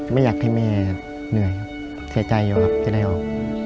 ไม่อยากให้แม่เหนื่อยครับเสียใจอยู่ครับจะได้ออก